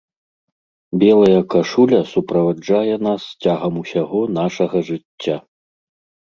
Белая кашуля суправаджае нас цягам усяго нашага жыцця.